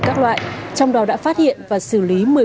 các loại trong đó đã phát hiện và xử lý